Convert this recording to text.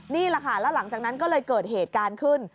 นี่แหละค่ะแล้วหลังจากนั้นก็เลยเกิดเหตุการณ์ขึ้น